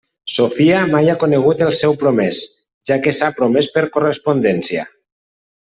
Sofia mai ha conegut al seu promès, ja que s'han promès per correspondència.